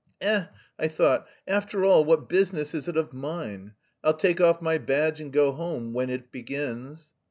"Eh," I thought, "after all, what business is it of mine? I'll take off my badge and go home _when it begins.